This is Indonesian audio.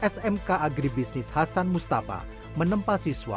smk agribisnis hasan mustafa menempa siswa